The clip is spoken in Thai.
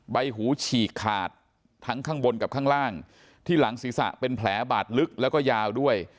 ใบหูฉีกขาดทั้งข้างบนกับข้างล่างที่หลังศีรษะเป็นแผลบาดลึกแล้วก็ยาวด้วย